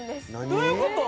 どういうこと？